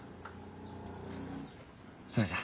それじゃ。